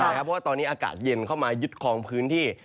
เพราะว่าตอนนี้อากาศเย็นเข้ามายึดคลองพื้นที่